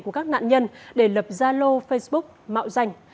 của các nạn nhân để lập gia lô facebook mạo danh